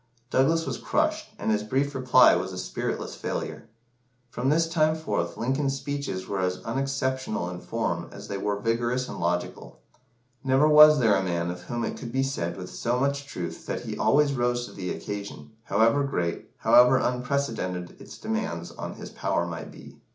Douglas was crushed, and his brief reply was a spiritless failure. From this time forth, Lincoln's speeches were as unexceptional in form as they were vigorous and logical. Never was there a man of whom it could be said with so much truth that he always rose to the occasion, however great, however unprecedented its demands on his power might be.